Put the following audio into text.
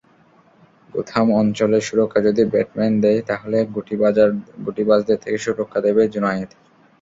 Gotham অঞ্চলের সুরক্ষা যদি ব্যাটম্যান দেয়, তাহলে গুটিবাজদের থেকে সুরক্ষা দেবে জুনায়েদ।